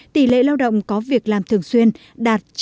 tỷ lệ lao động có việc làm thường xuyên đạt chín mươi bốn bảy